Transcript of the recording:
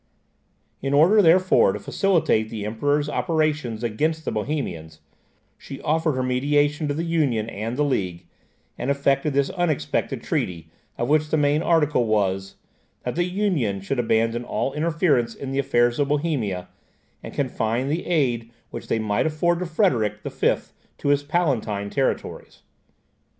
In order therefore to facilitate the Emperor's operations against the Bohemians, she offered her mediation to the Union and the League, and effected this unexpected treaty, of which the main article was, "That the Union should abandon all interference in the affairs of Bohemia, and confine the aid which they might afford to Frederick the Fifth, to his Palatine territories."